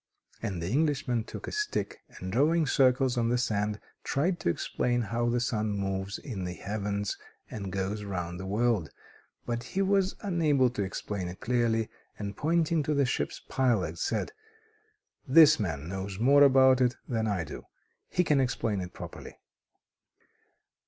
And the Englishman took a stick and, drawing circles on the sand, tried to explain how the sun moves in the heavens and goes round the world. But he was unable to explain it clearly, and pointing to the ship's pilot said: "This man knows more about it than I do. He can explain it properly."